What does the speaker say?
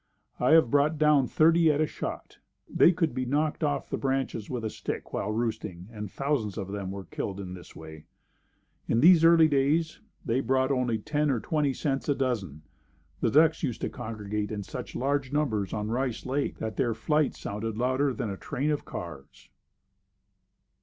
I have brought down thirty at a shot. They could be knocked off the branches with a stick while roosting and thousands of them were killed in this way. In these early days, they brought only 10c or 20c a dozen. The ducks used to congregate in such large numbers on Rice Lake that their flight sounded louder than a train of cars. Mrs.